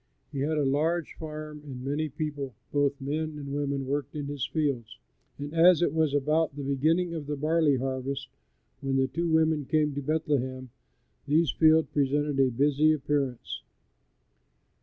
He had a large farm and many people, both men and women, worked in his fields, and as it was about the beginning of the barley harvest when the two women came to Bethlehem, these fields presented a busy appearance.